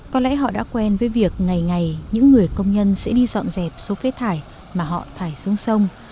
có lẽ họ đã quen với việc ngày ngày những người công nhân sẽ đi dọn dẹp số phế thải mà họ thải xuống sông